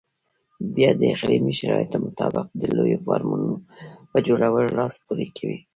بیا د اقلیمي شرایطو مطابق د لویو فارمونو په جوړولو لاس پورې کوي.